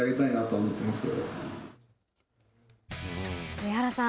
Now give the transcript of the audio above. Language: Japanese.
上原さん